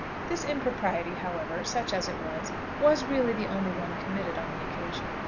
This impropriety, however, such as it was, was really the only one committed on the occasion.